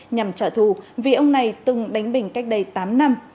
nhằm trả thù vì ông này từng đánh bình cách đây tám năm